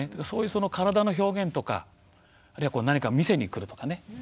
そういう体の表現とかあるいは何かを見せにくるとかね。